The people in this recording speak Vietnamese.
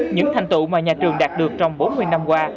những thành tựu mà nhà trường đạt được trong bốn mươi năm qua